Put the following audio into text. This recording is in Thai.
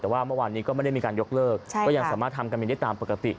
แต่ว่าเมื่อวานนี้ก็ไม่ได้มีการยกเลิกก็ยังสามารถทำการบินได้ตามปกติ